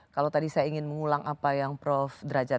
kalau tadi saya ingin mengulang apa yang prof derajat